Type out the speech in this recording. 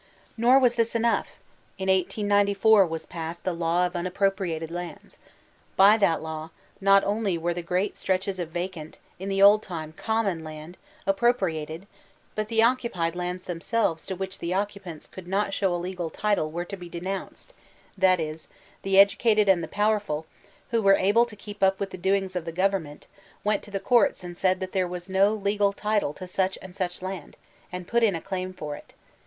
Nor was this enough : in 1894 was passed *'The Law of Unappropriated Lands." By that law, not only were the great stretches of vacant, in the old time common, land appropriated, but the occupied lands themselves to which the occupants could not show a legal title were to be 'denounced" ; that is, the educated and the power ful, who were able to keep up with the doings of the gov ernment, went to the courts and said that there was no legal title to such and such land, and put in a claim for it.